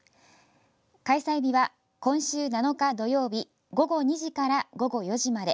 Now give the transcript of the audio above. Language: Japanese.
開催日は、今週７日、土曜日午後２時から午後４時まで。